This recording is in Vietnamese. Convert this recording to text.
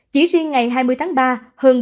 chỉ riêng ngày hai mươi tám tháng năm